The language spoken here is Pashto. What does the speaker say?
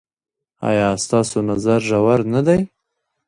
ایا ستاسو نظر ژور نه دی؟